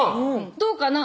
「どうかなぁ？